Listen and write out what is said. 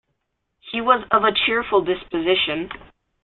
He was of a cheerful disposition.